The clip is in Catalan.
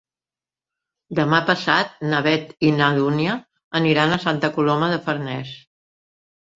Demà passat na Beth i na Dúnia aniran a Santa Coloma de Farners.